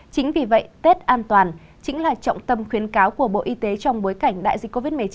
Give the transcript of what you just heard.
chính vì vậy tết an toàn chính là trọng tâm khuyến cáo của bộ y tế trong bối cảnh đại dịch covid một mươi chín